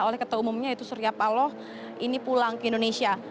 oleh ketua umumnya yaitu surya paloh ini pulang ke indonesia